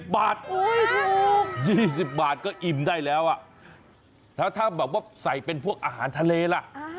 ๒๐บาทอุ๊ยถูก๒๐บาทก็อิ่มได้แล้วอ่ะแล้วถ้าบอกว่าใส่เป็นพวกอาหารทะเลล่ะ